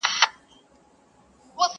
یتیمان یې کړې ښارونه په ماړه وږي کارګان کې!!